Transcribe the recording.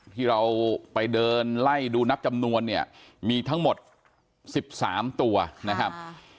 ที่เราไปเดินไล่ดูนับจำนวนเนี่ยมีทั้งหมด๑๓ตัวนะครับ